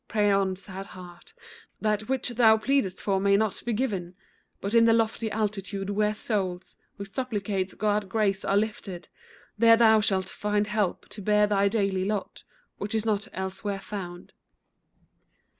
Pray on, sad heart, That which thou pleadest for may not be given, But in the lofty altitude where souls Who supplicate God's grace are lifted, there Thou shalt find help to bear thy daily lot Which is not elsewhere found.